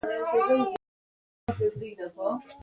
سړی يې راوغوښت.